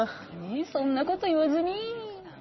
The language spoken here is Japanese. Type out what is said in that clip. そんなこと言わずに。